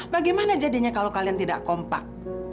bagaimana jadinya kalau kalian tidak kompak